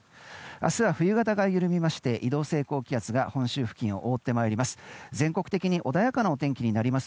明日は冬型が緩みまして移動性高気圧が本州付近を覆ってまいります。